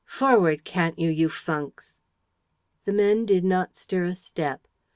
Forward, can't you, you funks!" The men did not stir a step.